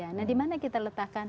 nah dimana kita letakkan